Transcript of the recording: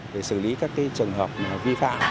để xử lý các trường hợp vi phạm